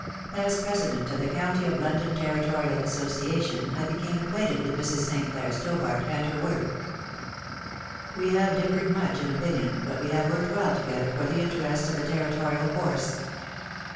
As President of the County of London Territorial Association I became acquainted with Mrs. St. Clair Stobart and her work. We have differed much in opinion, but we have worked well together for the interests of the Territorial Force.